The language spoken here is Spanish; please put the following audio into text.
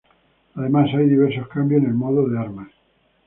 Además, hay diversos cambios en el modo de armas.